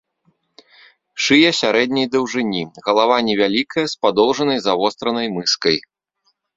Шыя сярэдняй даўжыні, галава невялікая з падоўжанай, завостранай мыскай.